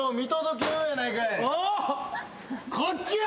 こっちや！